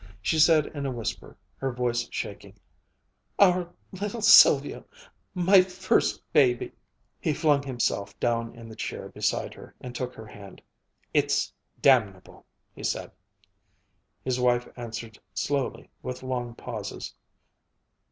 She said in a whisper, her voice shaking, "Our little Sylvia my first baby " He flung himself down in the chair beside her and took her hand. "It's damnable!" he said. His wife answered slowly, with long pauses.